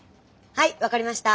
はい分かりました。